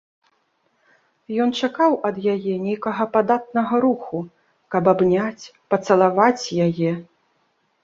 Ён чакаў ад яе нейкага падатнага руху, каб абняць, пацалаваць яе.